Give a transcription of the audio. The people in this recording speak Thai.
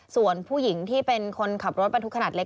ส่วนผู้หญิงที่เป็นคนขับรถบรรทุกขนาดเล็ก